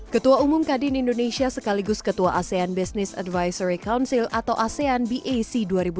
ketua umum kadin indonesia sekaligus ketua asean business advisory council atau asean bac dua ribu dua puluh